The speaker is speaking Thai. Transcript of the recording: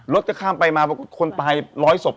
รถจะข้ามไปมาปรากฏคนตายร้อยศพ